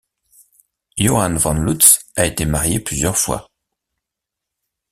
Johann von Lutz a été marié plusieurs fois.